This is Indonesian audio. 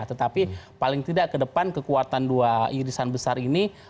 tetapi paling tidak ke depan kekuatan dua irisan besar ini